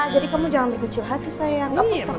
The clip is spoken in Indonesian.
jadi kamu jangan berkecil hati sayang